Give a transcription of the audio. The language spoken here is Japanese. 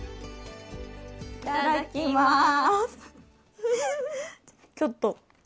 いただきます。